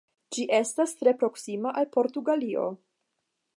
Ĝi estas tre proksima al Portugalio.